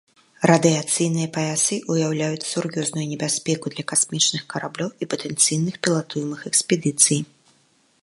Радыяцыйныя паясы ўяўляюць сур'ёзную небяспеку для касмічных караблёў і патэнцыйных пілатуемых экспедыцый.